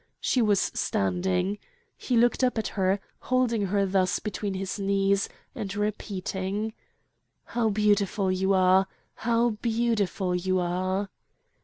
She was standing. He looked up at her, holding her thus between his knees, and repeating: "How beautiful you are! how beautiful you are!"